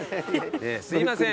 すいません。